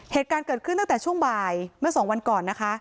เหตุการณ์เกิดขึ้นตั้งแต่ช่วงบ่ายเมื่อสองวันก่อนนะคะ